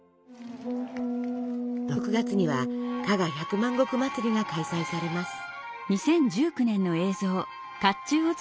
６月には加賀百万石祭りが開催されます。